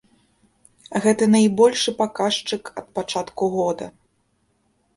Гэта найбольшы паказчык ад пачатку года.